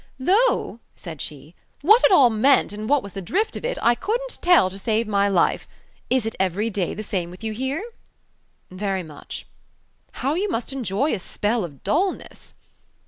"Though," said she, "what it all meant, and what was the drift of it, I couldn't tell to save my life. Is it every day the same with you here?" "Very much." "How you must enjoy a spell of dulness!"